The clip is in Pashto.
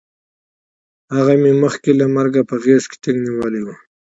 هغه مې مخکې له مرګه په غېږ کې ټینګ نیولی وی